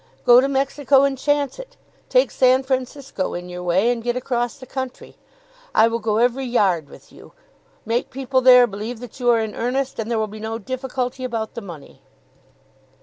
Go to Mexico, and chance it. Take San Francisco in your way, and get across the country. I will go every yard with you. Make people there believe that you are in earnest, and there will be no difficulty about the money."